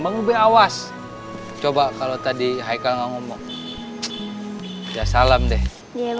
mengubah awas coba kalau tadi haikal ngomong ya salam deh ya mau be